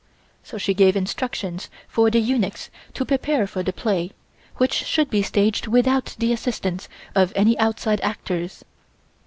So she gave instructions for the eunuchs to prepare for the play, which should be staged without the assistance of any outside actors.